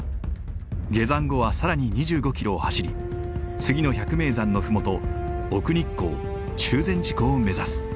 下山後は更に２５キロを走り次の百名山の麓奥日光中禅寺湖を目指す。